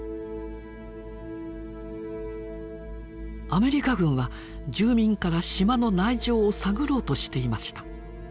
アメリカ軍は住民から島の内情を探ろうとしていました。